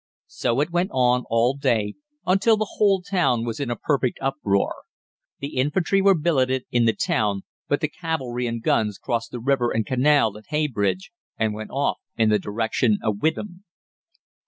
So it went on all day, until the whole town was in a perfect uproar. The infantry were billeted in the town, but the cavalry and guns crossed the river and canal at Heybridge, and went off in the direction of Witham.